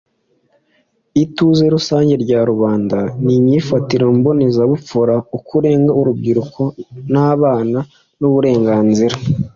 ituze rusange rya rubanda n imyifatire mbonezabupfura ukurengera urubyiruko n abana n uburenganzira